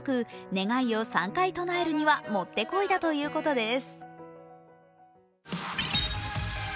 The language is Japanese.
願いを３回唱えるにはもってこいだということです。